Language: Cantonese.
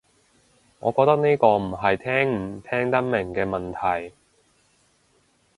我覺得呢個唔係聽唔聽得明嘅問題